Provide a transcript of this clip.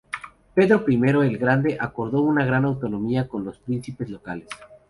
Pedro I el Grande acordó una gran autonomía con los príncipes locales.